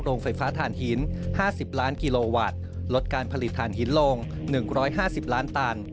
โรงไฟฟ้าฐานหิน๕๐ล้านกิโลวัตต์ลดการผลิตฐานหินลง๑๕๐ล้านตัน